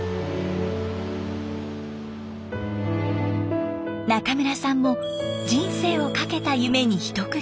中村さんも人生をかけた夢に一区切り。